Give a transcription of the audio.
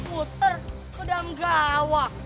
puter ke dalam gawah